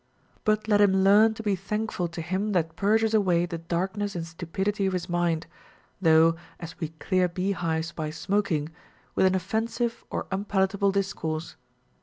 But let him learn to be thankful to him that purges aAvay the darkness and stupidity of his mind, though (as we clear beehives by smoking) with an offen sive or unpalatable discourse.